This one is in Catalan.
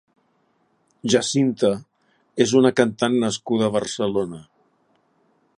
Jacinta és una cantant nascuda a Barcelona.